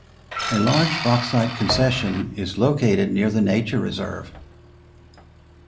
A large bauxite concession is located near the nature reserve.